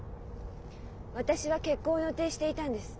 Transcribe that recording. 私は結婚を予定していたんです。